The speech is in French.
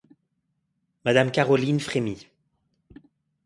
Madame Caroline frémit.